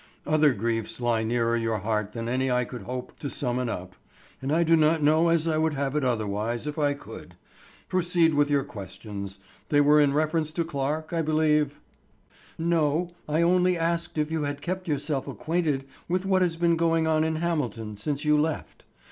Other griefs lie nearer your heart than any I could hope to summon up, and I do not know as I would have it otherwise if I could. Proceed with your questions. They were in reference to Clarke, I believe." "No, I only asked if you had kept yourself acquainted with what has been going on in Hamilton since you left.